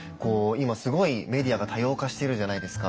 今すごいメディアが多様化してるじゃないですか。